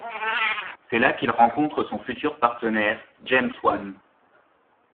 C’est là qu’il rencontre son futur partenaire, James Wan.